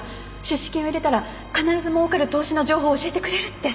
出資金を入れたら必ずもうかる投資の情報を教えてくれるって。